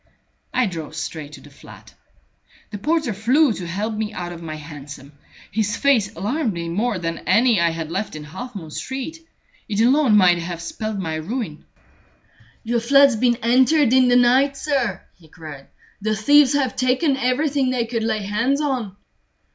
I drove straight to the flat. The porter flew to help me out of my hansom. His face alarmed me more than any I had left in Half moon Street. It alone might have spelled my ruin. "Your flat's been entered in the night, sir," he cried. "The thieves have taken everything they could lay hands on."